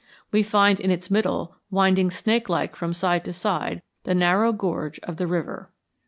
We find in its middle, winding snakelike from side to side, the narrow gorge of the river.